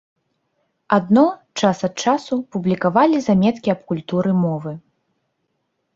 Адно, час ад часу публікавалі заметкі аб культуры мовы.